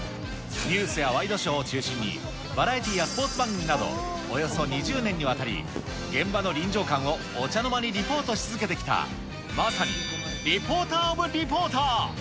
ニュースやワイドショーを中心に、バラエティーやスポーツ番組など、およそ２０年にわたり、現場の臨場感をお茶の間にリポートし続けてきた、まさにリポーター・オブ・リポーター。